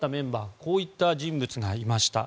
こういった人物がいました。